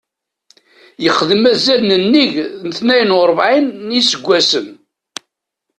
Yexdem azal n nnig n tnayen u rebɛin n yiseggasen.